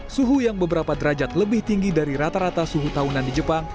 suhu yang beberapa derajat lebih tinggi dari rata rata suhu tahunan di jepang